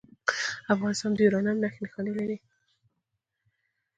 افغانستان د یورانیم نښې نښانې هم لري.